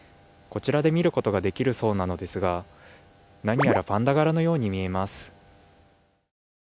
こちらで見ることができるそうなのですが、何やらパンダ柄のように見えます。